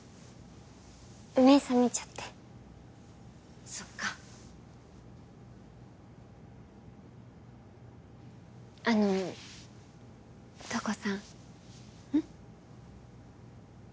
目覚めちゃってそっかあの瞳子さんうん？